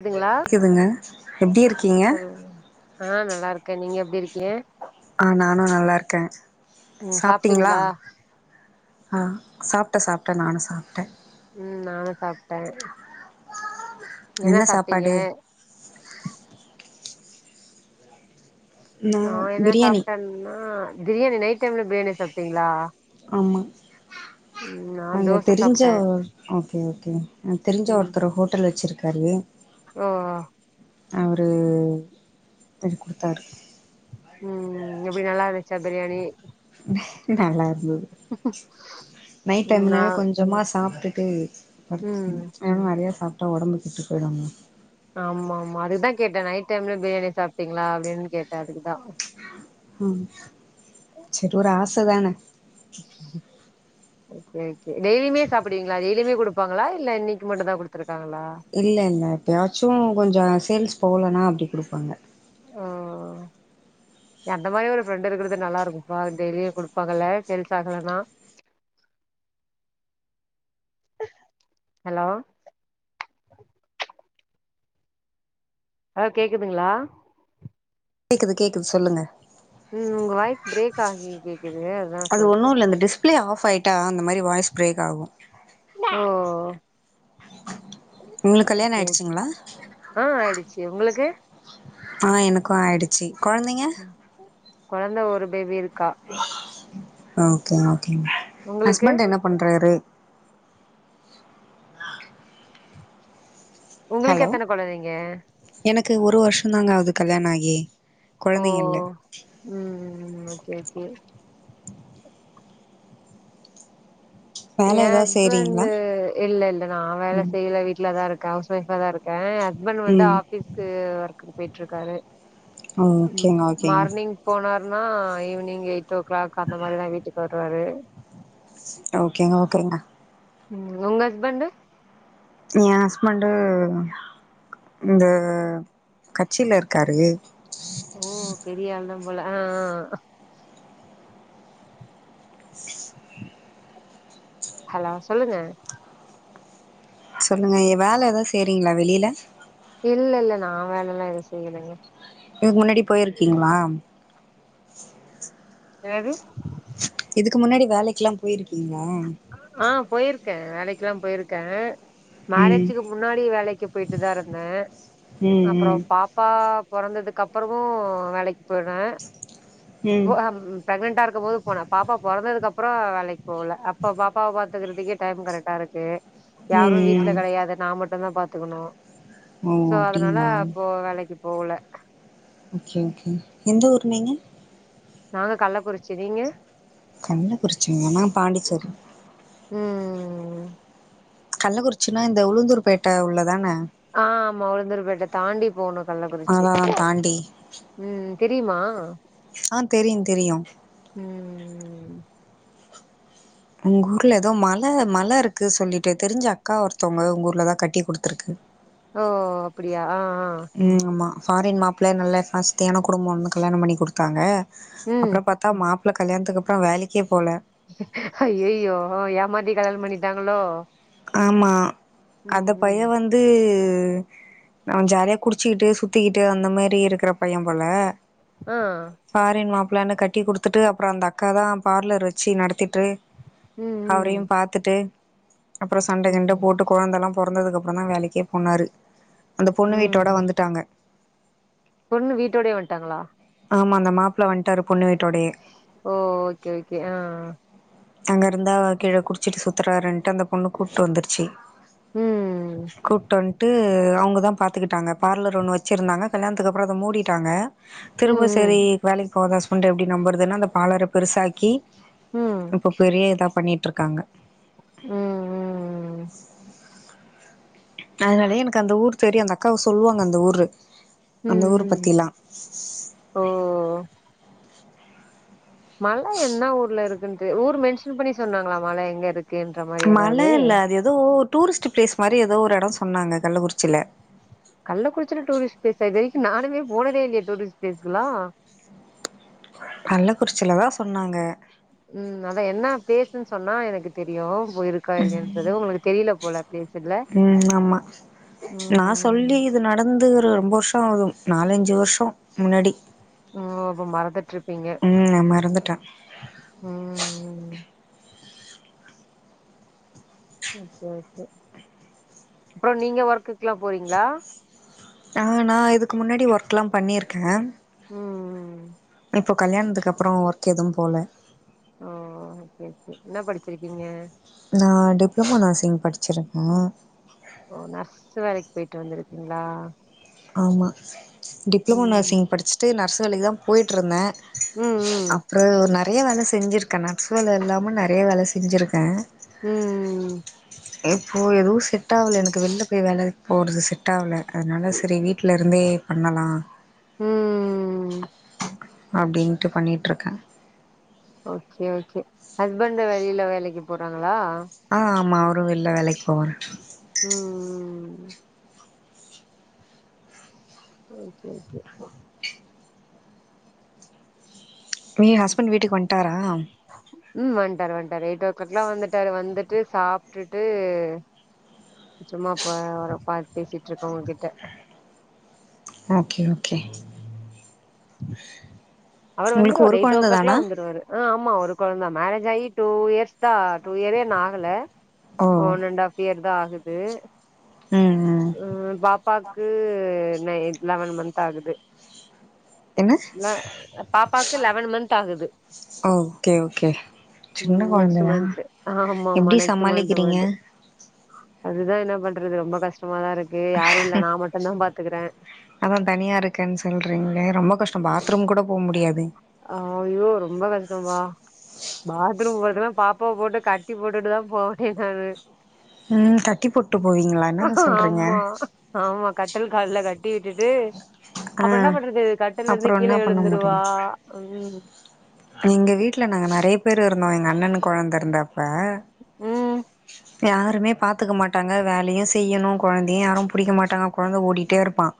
கேக்குதுங்களா கிதுங்க எப்டி ம் இருக்கீங்க சொல்லுங்க ஆ நல்லா இருக்கேன் நீங்க எப்டி இருக்கீய ஆ நானும் நல்லா இருக்கேன் ம் சாப்ட்டீங்ளா சாப்ட்டீங்களா ஆ சாப்ட்ட சாப்ட்ட நானும் சாப்ட்ட உம் நானும் சாப்ட்டே என்ன சாப்ட்டீங்க நா நானா என்ன பிரியாணி சாப்ட்டேன்னா பிரியாணி நைட் டைம்ல பியாணி சாப்ட்டீங்ளா ஆமா நான் அங்க தோச தெரிஞ்ச சாப்ட்டேன் ஓகே ஓகே எனக் தெரிஞ்ச ம் ஒருத்தரு ஹோட்டல் வச்சுருக்காரு ஓ அவரு படி குடுத்தாரு உம் எப்டி நல்லா இருந்துச்சா பிரியாணி நல்லா இருந்தது நைட் ம் நா டைம்ன கொஞ்சமா சாப்ட்டுட்டு நைட் ம் டைம் நெறையா சாப்ட்டா ஒடம்பு கெட்டு போயிடுங்க ஆமா ஆமா அதுக்குதான் கேட்டேன் நைட் டைம்ல பிரியாணி சாப்பிட்டீங்ளா அப்டின் கேட்டே அதுக்குதான் உம் செரி ஒரு ஆச தான ஹ ஓகே ஓகே டெய்லியுமே சாப்புடுவீங்ளா டெய்லியுமே குடுப்பாங்களா இல்ல இன்னைக்கி மட்டும் தான் குடுத்துருக்காங்களா இல்ல இல்ல எப்போயாச்சும் கொஞ்சம் சேல்ஸ் போகலன்னா அப்டி குடுப்பாங்க ஓ ஏ அந்த மாரி ஒரு ஃப்ரெண்ட் இருக்கிறது நல்லாயிருக்கும் பா டெய்லியும் குடுப்பாங்கல்ல சேல்ஸ் ஆகலன்னா ஹலோ ஆ கேக்குதுங்ளா கேக்குது கேக்குது சொல்லுங்க உம் உங்க வாய்ஸ் பிரேக் ஆகி கேக்குது அதான் சொல்த பிளே ஆஃப் ஆயிட்டா அந்த மாரி வாய்ஸ் பிரேக் ஆகு ஓ உங்களுக்கு கல்யாணோ ஓகே ஓகே. ஆயிடுச்சிங்ளா ஆ ஆயிடுச்சு உங்களுக்கு ஆ எனக்கு ஆயிடுச்சு கொழந்தைங்க கொழந்த ஒரு பேபி இருக்கா ஓகே ஓகேங்க உங்களுக்கு ஹஸ்பண்ட் என்ன பண்றாரு? உங்களுக்கு ஹலோ எத்தன கொழந்தைங்க? எனக்கு ஒரு வருஷந்தாங்க ஆது கல்யாணோ ஆகி ஓ கொழந்தைங்க இல்ல ம் ஓகே ஓகே வேல என் ஏதாவது ஹஸ்பண்ட் செய்றீங்களா இல்லல்ல நா வேல ம் செய்யல வீட்லதா இருக்க ஹவுஸ் ஒயஃபாதா இரு க்க என் ஹஸ்பண்ட் வந்து ம் ஆஃபிஸ்க்கு ஒர்க்குக்கு போயிட்டு இருக்காரு ஓகேங்க ம் ஓகேங்க மார்னிங் போனார்னா ஈவினிங் எயிட் ஓ கிளாக் அந்த மாரிதா வீட்டுக்கு வருவாரு ஓகேங்க ஓகேங்க ம் உங்க ஹஸ்பண்ட்டு என் ஹஸ்பண்ட்டு இந்த கட்சில இருக்காரு ஓ பெரிய ஆள்தான் போல ஆ ஆ ஹலோ சொல்லுங்க சொல்லுங்க எ வேல எதா செய்ரீங்ளா வெளில இல்லல்ல நா வேல எல்லா எது செய்யலங்க இதுக்கு முன்னாடி போயிருக்கீங்ளா என்னது இதுக்கு முன்னாடி வேலைக்கெல்லா போயிருக்கீங்ளா ஆ போயிருக்கன் வேலைக்கெல்லா போயிருக்கன் ம் மேரேஜுக்கு முன்னாடி வேலைக்கு போயிட்டுதா இருந்தன் ம் ம் அப்றோபாப் பா பொறந்ததுக்கு அப்புறமு வேலைக்கு போய்டுவன் ம் பொ அம் பிரக்னன்ட்டா இருக்கும்போது போன பாப்பா பொறந்ததுக்கப்றோ வேலைக்கு போகல அப்ப பாப்பாவ பாத்துக்கறதுக்கே டைம் கரெக்டா இருக்கு ம் யாரு வீட்ல ம் கெடையாது நா ம ட்டுந்தா பாத்துக்கணு ஓ சோ அதனால அப்டிங்களா அப்போ வேலைக்கு போகல ஓகே ஓகே எந்த ஊரு நீங்க? நாங்க கள்ளக்குறிச்சி நீங்க கள்ளக்குறிச்சிங்ளா நா பாண்டிச்சேரி ம் கள்ளக்குறிச்சினா இந்த உளுந்தூர்பேட்ட உள்ள தான ஆ ஆமா உருந்தூர் பேட்ட தாண்டி போணு கள்ளக்குறிச்சி அதா தாண்டி ம் தெரிமா அ தெரியுந் தெரியு ம் உங்க ஊர்ல எதோ மல மல இருக்கு சொல்லிட்டு தெரிஞ்ச அக்கா ஒருத்தவங்க உங்க ஊர்லதா கட்டி குடுத்திருக்கு ஓ அப்டியா ஆ ஆ ம் ஆமா ஃபாரின் மாப்பிள்ள நல்லா காஸ்தியான குடும்போன்னு கல்யாணோ பண்ணி குடுத்தாங்க ம் அப்றோ பா த்தா மாப்பிள கல்யாணத்துக்கு அப்றோ வேலைக்கே போல ஹய்யய்யோ ஏமாத்தி கல்யாணோ பண்ணிடாங்ளோ ஆமா அத பையன் வந்து அவன் ஜாலியா குடிச்சுக்கிட்டு சுத்திக்கிட்டு அந்த மாரி இருக்கிற பையன் போல ஆ பாரின் மாப்பிளன்னு கட்டி குடுத்துட்டு அப்றோ அந்த அக்கா தா பார்லர் வெச்சு நடத்திட்டு ம் அவரையு ம் பாத்துட்டு அப்றோ சண்ட கிண்ட ம் போட்டு கொழந்தெல்லா பொறந்ததுக் அப்புறம் தா வேலைக்கே போனாரு அந்த பொண்ணு வீட்டோட ம் வந்துட்டாங்க பொண்ணு வீட்டோடயே வந்ட்டாங்ளா ஆமா அந்த மாப்ல வந்ட்டாரு பொண்ணு வீட்டோடயே ஓ ஓகே ஓகே ஆ அங்க இருந்தா கீழே குடிச்சிட்டு சுத்துறாருன்ட்டு அந்த பொண்ணு கூப்ட்டு வந்துருச்சு ம் கூட்டு வந் ட்டு அவுங்க தா பாத்துக்கிட்டாங்க பார்லர் ஒன்னு வெச்சுருந்தாங்க கல்யாணத்துக்கு அப்றோ அத மூடிட்டாங்க ம் திரும்ப ம் சரி வேலைக்கு போவாத ஹஸ்பண்ட எப்டி நம்புறதுன் அந்த பார்லர பெருசாக்கி ம் இப்போ பெரிய இதா பண்ணிட்டிருக்காங்க ம் ம் அதனாலயே எனக்கு அந்த ஊர் தெரியு அந்த அக்காவு சொல்லுவாங்க அந்த ஊரு அந்த ஊர் ம் ம் பத்திலா ஓ மழை என்னா ஊர்ல இருக்குன்னு ஊர் மென்ஷன் பண்ணி சொன்னாங்ளா மழ எங்க இருக்குன்ற மாரி மல ஏதாவ்து இல்ல அது ஏதோ டூரிஸ்ட் பிளேஸ் மாரி ஏதோ ஒரு இடோ சொன்னாங்க கள்ளக்குறிச்சில கள்ளக்குறிச்சில டூரிஸ்ட் பிளேஸ் இதுரைக்கு நானுமே போனதே இல்லையே டூரிஸ்ட் ப்ளேஸ்ல்லா கள்ளக்குறிச்சில தா சொன்னாங்க ம் அத என்னா பேலேஸ்ன் சொன்னா எனக்கு தெரியு இப்ப இருக்கா இல்லைன்றது உங்ளுக்கு தெரில போல பிளேஸ்ல்ல ம் ஆம்மா நா சொல்லி இது நடந்து ஒரு ரொம்ப வருஷோ ஆகு நாலஞ்சு வர்ஷோ முன்னாடி ம் அப்ப மறந்துட்டிருப்பீங்க ம் நா மறந்துட்டே அப்றோ நீங்க ஒர்க்குக்லா போறீங்ளா நானா இதுக் முன்னாடி ஒர்க்கலா பண்ணிருக்கே ம் ம் ம் இப்போ கல்யாணத்துக்கு அப்றோ ஒர்க் எதுவு போல ஓ ஓகே ஓகே என்ன படிச்சிருக்கீங்க நா டிப்ளமா நர்சிங் படிச்சிருக்கே ஓ நர்ஸ் வேலைக் போயிட்டு வந்திருக்கீங்ளா ஆமா டிப்ளமா ம் நர்சிங் படிச்சுட்டு நர்ஸ் வேலைக்கு தா போயிட்டிருந்தே ம் ம் அப்றோ நெறைய வேல செஞ்சுருக்கே நர்ஸ் வேல இல்லாம நெறைய வேல செஞ்சுருக்கே ம் ம ம் இப்போ எதுவு செட்டாகல எனக் வெளில போயி வேலைக் போறது செட் ஆகல அதனால சரி வீட்ல இருந்தே பண்ணலா ம்ம்ம்ம் அப்டின்ட்டு பண்ணிட்டுருக்கே ஓகே ஓகே ஹஸ்பண்ட் வெளில வேலைக்கு போறாங்ளா ஆ ஆமா அவரு வெள்ள வேலைக் போவாரு ம் ம் ம் ஓகே ஏ ஹஸ்பெண்ட் வீட்டுக்கு வந்டாரா ம் வந்ட்டாரு வந்ட்டாரு எய்ட்டோ ஓ க்ளாக்லாம் வந்துட்டாரு வந்துட்டு சாப்ட்டுட்டு சும்மா அப்ப அவர பாத்து பேசிட்டு இருக்கோ உங்ககிட்ட ஓகே ஓகே அவர் உங்களுக்கு வந்துருவார் ஒரு எயிட் ஓ கொழந்த தானா க்ளாக்ல்லாம் வந்துருவாரு ஆ ஆமா ஒரு கொழந்த மேரேஜ் ஆகி டூ இயர்ஸ் தான் டூ இயரே இன்னும் ஆகல ஓ ஒன் அண்ட் ஆப் இயர் தான் ஆகுது ம்ம் ம் பாப்பாக்கு இன்னும் எய்த் லெவன் மன்த் ஆகுது என்ன ல பாப்பாக்கு லெவன் மன்த் ஆகுது ஓகே ஓகே சின்ன ம் நெக்ஸ்ட் கொழந்ததா மன்த் அமாம்மா எப்டி நெக்ஸ்ட் மன்த் சமாளிக்கிறீங்க பர்த்டே அதுதான் என்ன பண்றது ரொம்ப கஷ்டமாதான் இருக்கு யாரும் இல்லை நான் மட்டும் தான் பாத்துக்கறேன் அதான் தனியா இருக்கேன்னு சொல்கிறீங்களே ரொம்ப கஷ்டம் பாத்ரூம் கூட போக முடியாது ஆ ஐயோ ரொம்ப கஷ்டம் பா பாத்ரூம் போறதுல்லாம் பாப்பாவ போட்டு கட்டி போட்டுட்டுதான் போவேன் நானு ம் கட்டி போட்டு போவீங்களா என்னங்க சொல்றீங்க ஆமா ஆமா கட்டில் கால்ல கட்டி விட்டுட்டு ஆ அப்றோ என்ன பண்றது கட்டில்ல இருந்து அப்றோ என்ன கீழே பண்ண விழுந்துருவா முடியு ம் எங்க வீட்ல நாங்க நெறைய பேர் இருந்தோம் எங்க அண்ணன் கொழந்த இருந்தப்ப ம் யாருமே பாத்துக்க மாட்டாங்க வேலையும் செய்யணும் கொழந்தையும் யாரும் பிடிக்க மாட்டாங்க கொழந்த ஓடிகிட்டே இருப்பான்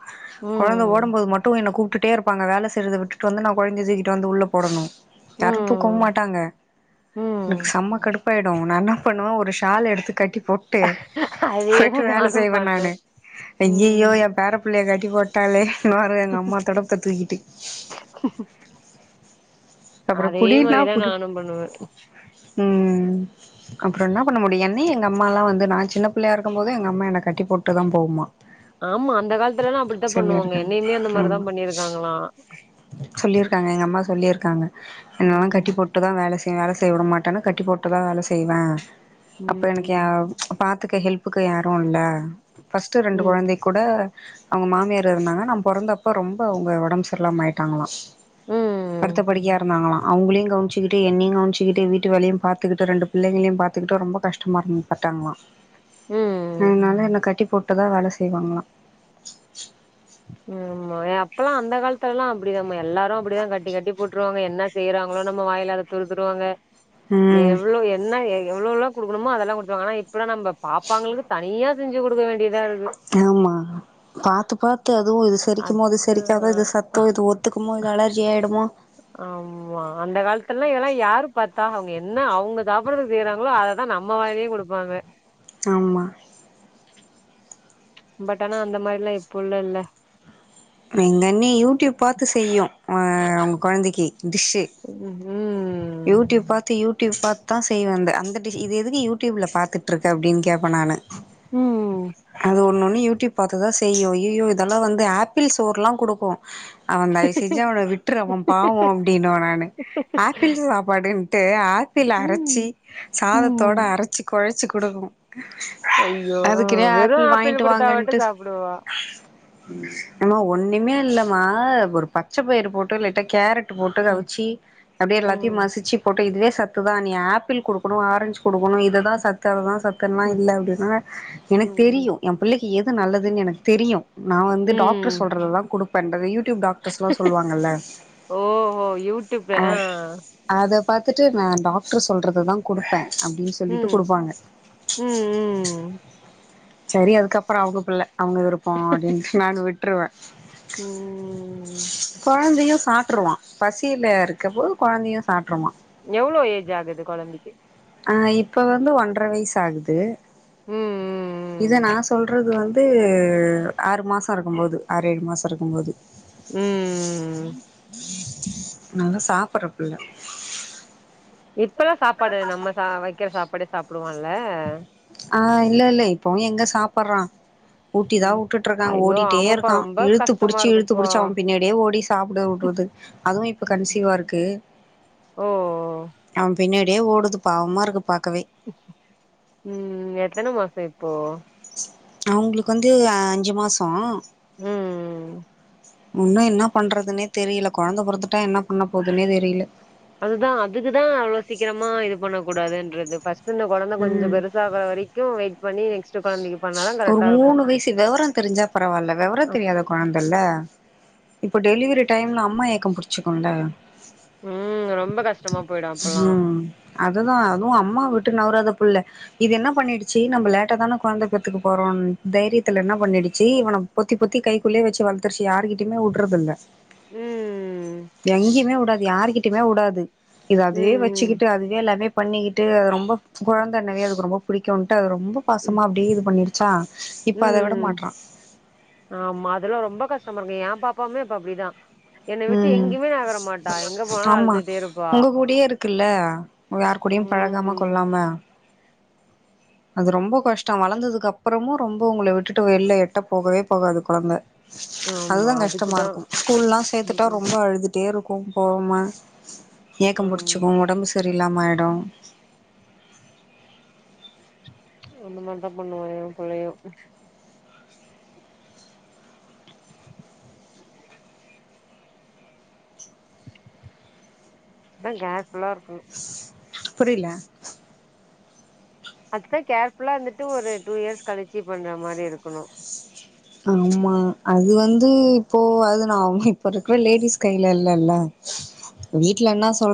கொழந்தை ம் ஓடம்போது மட்டும் என்னை கூப்ட்டுடே இரு ப்பாங்க வேலை செய்றத விட்டுட்டு வந்து நான் கொழந்தைய தூக்கிட்டு வந்து உள்ள போடணும் யாரும் தூக்கவும் ம் மாட்டாங்க ம் எனக்கு செம்ம கடுப் பாயிடும் நான் என்ன பண்ணுவே ஒரு ஷால் எடுத்து கட்டி போட்டு அதேதா போயிட்டு வேலை நானு செய்வேன் பண்ணே நானு ஐய்யயோ ம் என் பேறப் புள்ளைய கட்டி போட்டாலே எங்க அம்மாத் தொடப்பத்த தூக்கிட்டு அப்புறோ அதே புடின்னா மாரிதான் புடி நானும் பண்ணுவேன் ம் அப்றோ என்ன பண்ண முடியும் என்னயு எங்க அம்மாலாம் வந்து நான் சின்ன புள்ளையா இருக்கும் போது எங்க அம்மா என்ன கட்டி போட்டுதான் போவுமா ஆமா அந்த காலத்துலல்லாம் அப்டித்தான் பண்ணுவாங்க சொல்லியிருக்காங்க என்னையுமே அந்த ஆமா மாரிதான் பண்ணிருக்காங்களாம் சொல்லியிருக்காங்க எங்க அம்மா சொல்லியிருக்காங்க என்னெல்லாம் ம் கட்டி போட் ட்டு தான் வேலை செய் வேலை செய்ய விட மாட்டேன்னு கட்டி போட்டுதான் வேலை செய்வேன் அப்றோ எனக்கு ம் பாத்துக்க ஹெல்ப்புக்கு யாரும் இல்ல ஃபஸ்ட்டு ரெண்டு ம் கொழந்தைக் கூட அவங்க மாமியார் இருந்தாங்க நா பொறந்தப்ப ரொம்ப அவங்க ஒடம்பு சரில்லாம ஆயிட்டாங்களாம் ம் படுத்தபடுக்கையா இருந்தாங்களா அவங்களையும் கவனிச்சுட்டு என்னயும் கவனிச்சிக்கிட்டு வீட்டு வேலையும் பாத்துகிட்டு ரெண்டு புள்ளைங்களையும் பாத்துகிட்டு ரொம்ப கஷ்ட பட்டாங்களாம் ம் அதனால என்னை கட்டி போட்டுதான் வேலை செய்வாங்களாம் ஆமா அப்பெல்லாம் அந்த காலத்துல எல்லாம் அப்டிதாமா எல்லாரும் அப்டிதான் கட்டி கட்டி போட்டுருவாங்க என்னா செய்றாங்களோ நம்ம வாயில அதை துருத்துடுவாங்க ம் எவ்ளோ என்ன எவ்ளோஎவ்ளோ குடுக்கணுமோ அதெல்லாம் கொடுத்தாங்க ஆனா இப்பல்லாம் நம்ம பாப்பாங்களுக்கு தனியா செஞ்சு கொடுக்க வேண்டியதா இருக்கு ஆமா பாத்து பாத்து அதுவும் இது செரிக்குமோ அது செரிக்காதோ இது சத் தோ இது ஒத்துக்குமோ இது அலர்ஜி ஆயிடுமோ ஆமா அந்த காலத்துலாம் இதெல்லாம் யாரு பாத்தா அவங்க என்ன அவங்க சாப்டுறது செய்றாங்களோ அத ஆனா நம்ம வாயிலயே குடுப்பாங்க ஆம்மா பட் ஆனா அந்த மாரிலா இப்போ இல்லல்ல எங்கன்னே யூடியூப் பாத்துசெய்யு ஆ அவுங்க கொழந்தைக்கு டிஷ்ஷு ம்ஹு யூடியூப் பாத்து யூடியூப் பாத்து தா செய்வே அந்த அந்த டிஷ் இது எதுக்கு யூடியூப்ல பாத்துட்டு இருக்க அப்டின் கேட்பே நானு ம் அது ஒண்ணு ஒண்ணு யூடியூப் பாத்துதா செய்யு ஐயயோ இதெல்லா வந்து ஆப்பிள் சோர்ல்லா குடுக்கும் அவன் தயவு செஞ்சு அவன விட்ரு அவன் பாவம் அப்டின்னுவே நானு ஆப்பிள் சாப்பாடுன்ட்டு ஆப்பிள் அரைச்சி ம் சாதத்தோடு ம் அரைச்சி கொழச்சு குடுக்கு ஐயோ அதுக்குனே வெறு ஆப்பிள் வாங்கிட்டு குடுத்தா மட்டு வாங்கன்ட்டு சாப்டுவா ஏமா ஒண்ணுமே இல்லமா ஒரு பச்சை பயிர் போட்டு லைட்டா கேரட் போட்டு அத ம் அவிச்சு அப்டியே எல்லாத்தையு ம் மசிச்சு போட்டு இதுவே சத்து தா நீ ஆப்பிள் குடுக்கணு ஆரஞ்சு குடுக்கணு இதுதா சத்து அததா சத்து ல்லா ம் இல்ல அப்டின்னா எனக்கு ம் ம் தெரியு என் பிள்ளைக்கு எது நல்லதுன்னு எனக்கு தெரியு நா வந்து டாக்டர் ம் சொல்றதுதா குடு பண்றது யூடியூப் டாக்டர்ஸ்ல்லா சொல்லுவாங்கல்ல ஓஹோ யூடியூப் ஆ அத பாத்துட்டு நான் டாக்டர் சொல்றத தா குடுப்பே அப்டின்னு சொல் சொல்லிட்டு ம் குடுப்பாங்க ம் ம் சரி அதுக்கப்புற அவுங்க பிள்ள அவுங்க விருப்பம் அப்டின்னு நானு விட்டுருவே ம் குழந்தையு சாட்டுருவான் பசியில இருக்க போது குழந்தையு சாப்ட்ருவான் எவ்ளோ ஏஜ் ஆகுது குழந்தைக்கு ஆ இப்ப வந்து ஒன்ற வயசு ஆகுது இத ம் ம் நா சொல்றது வந் து ஆறு மாச இருக்கும் போது ஆறு ஏழு மாசம் இருக்கும் போது ம் ம் நல்லா சாப்புட்ற புள்ள இப்பல்லா சாப்பாடு நம்ம சா வைக்கிற சாப்பாடே சாப்ட்ருவான்ல ஆ இல்ல இல்ல இப்போவு எங்க சாப்புட்றா ஊட்டி தா ம் விட்டுட்ருக்காங்க ஐயோ ஓடிட்டே ஆமாப்பா இருக்கான் ரொம்ப இழுத்து கஷ்டமா புடிச்சி இழுத்து இருக்குப்பா புடிச்சு அவன் பின்னாடியே ஓடி சாப்படவுட்றது அதுவு இப்ப கன்சீவா இருக்கு ஓ அவன் பின்னாடியே ஓடுது பாவமா இருக்கு பாக்க ம் எத்தன மாச இப்போ அவுங்களுக்கு வந்து அஞ்சு மாசோ ம் ஒன்னு என்ன பண்றதுன்னே தெரியல குழந்த பொறத்துட்டா என்ன பண்ண போதுன்னே தெரியல அதுதா அதுக்குதா அவ்வளோ சீக்கிரமா இது பண்ணக் கூடாதுன்றது ஃபர்ஸ்ட்டு இந்த குழந்த கொஞ்சோ ம் பெரு சாகுற வரைக்கு வெயிட் பண்ணி நெக்ஸ்ட் கொழந்தைக்கு பண்ணாதா ஒரு கரெக்டா இருக்கு மூணு வயசு வெவர தெரிஞ்சா பரவாயில்ல வெவரம் தெரியாத குழந்தல்ல இப்ப டெலிவரி டைம்ல அம்மா ஏக்கம் புடிச்சுக்குல்ல ம் ரொம்ப கஷ்டமா போயிடு அப்பல்லா ஹ அததா அதுவு அம்மா விட்டு நவராத புள்ள இது என்ன பண்ணிடுச்சு நம்மள லேட்டா தான குழந்த பெத்துக்க போறோன் தைரியத்தில என்ன பண்ணிடுச்சு இவன பொத்தி பொத்தி கைக்குள்ளே வெச்சு வளத் துர்ச்சு யாருக்கிட்டயுமே உட்றதுல்ல ம் எங்கயுமே உடாது யாருக்கிட்டையுமே உடாது இது அதுவே வச் ம் சுக்கிட்டு அதுவே எல்லாமே பண்ணிக்கிட்டு அது ரொம்ப குழந்தண்ணாவே அதுக்கு ரொம்ப புடிக்குன்ட்டு அது ரொம் ம் ம் பாசமா அப்டி இது பண்ணிருச்சா இப்ப அத விட ம் மாட்றா ஆமா அதெல்லா ரொம்ப கஷ்டமாருக்கு ஏ பாப்பாவுமே அப்ப அப்டிதா என்ன விட்டு ம் எங்கயுமே நகர மாட்டா எங்க போனாலு ஆமா அழுதுட்டே இருப்பா உங்க கூடே இருக்குல்ல யாரு கூடையு பழக்காம ம் கொல்லாம அது ரொம்ப கஷ்டோ வளந்ததுக்கப்புறமு ரொம்ப உங்கள விட்டுட்டு வெள்ல எட்ட போகவே போகாது கொழந்த ஆமா அதுதா அதுக்குதா கஷ்டமாருக்கு ஸ்கூல்லா ம் சேத்துட்டா ம் ரொம்ப அழுது டேருக்கு போவாம ஏக்கம் புடிச்சிக்கு ஆமா உடம்பு சரியில்லாம ஆயிடு அந்த மாரி தா பண்ணுவா ஏ புள்ளயு அதா கேர் ஃபுல்லா இருக்கனு புரில அதுக் தா கேர்ஃபுல்லா இருந்துட்டு ஒரு டூ இயர்ஸ் கழிச்சி பண்ற மாரி இருக்குணு ஆமா அது வந்து இப்போ அது நா இப்ப இருக்கற லேடிஸ் கைல இல்லல்ல வீட்ல என்ன சொல்றா